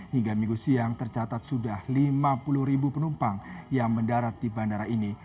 hingga minggu siang tercatat sudah lima puluh ribu penumpang yang mendarat di bandara ini